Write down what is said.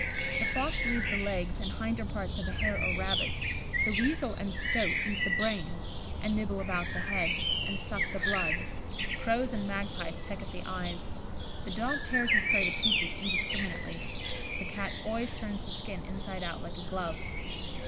The fox leaves the legs and hinder parts of a hare or rabbit; the weasel and stoat eat the brains, and nibble about the head, and suck the blood; crows and magpies peck at the eyes; the dog tears his prey to pieces indiscriminately; the Cat always turns the skin inside out like a glove.